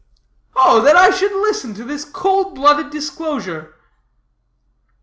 '" "Oh, that I should listen to this cold blooded disclosure!"